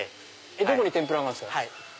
どこに天ぷらがあるんですか？